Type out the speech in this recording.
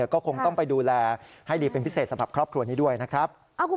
ก็คงต้องไปดูแลให้ดีเป็นพิเศษสำหรับครอบครัวนี้ด้วยนะครับ